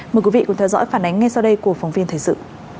mời quý vị cùng theo dõi phản ánh ngay sau đây của phóng viên thời sự